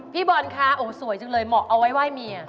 พี่บอลคะโอ้สวยจังเลยเหมาะเอาไว้ไหว้เมีย